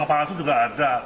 uang palsu juga ada